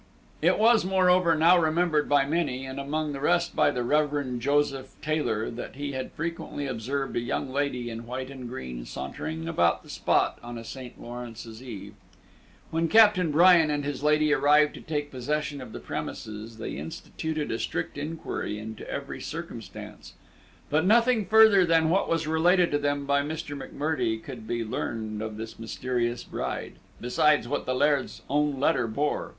It was, moreover, now remembered by many, and among the rest by the Rev. Joseph Taylor, that he had frequently observed a young lady, in white and green, sauntering about the spot on a St. Lawrence's Eve. When Captain Bryan and his lady arrived to take possession of the premises, they instituted a strict inquiry into every circumstance; but nothing further than what was related to them by Mr. M'Murdie could be learned of this Mysterious Bride, besides what the Laird's own letter bore.